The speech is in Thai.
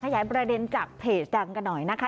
ขยายประเด็นจากเพจดังกันหน่อยนะคะ